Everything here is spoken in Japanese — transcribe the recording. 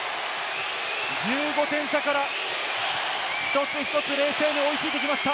１５点差から一つ一つ冷静に追いついてきました。